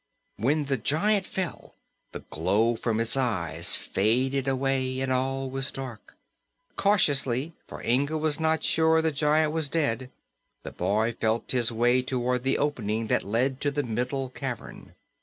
When the giant fell, the glow from its eyes faded away, and all was dark. Cautiously, for Inga was not sure the giant was dead, the boy felt his way toward the opening that led to the middle cavern.